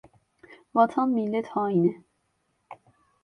Vatan, millet haini…